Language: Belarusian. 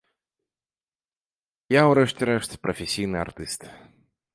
Я, у рэшце рэшт, прафесійны артыст.